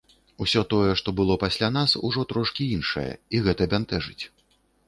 Усё тое, што было пасля нас, ужо трошкі іншае, і гэта бянтэжыць.